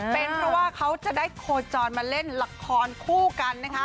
เป็นเพราะว่าเขาจะได้โคจรมาเล่นละครคู่กันนะคะ